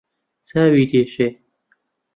چاوی دێشێ